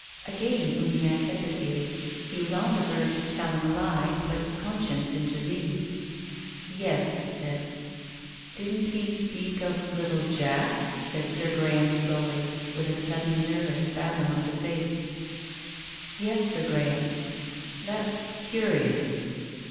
Again Uniacke hesitated. He was on the verge of telling a lie, but conscience intervened. "Yes," he said. "Didn't he speak of little Jack?" said Sir Gra ham slowly, and with a sudden nervous spasm of the face. " Yes, Sir Graham." "That's curious."